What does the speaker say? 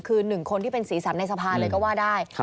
คือ๑คนที่เป็นสีสันในสภาเลยก็ว่าได้